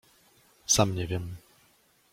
Sam nie wiem.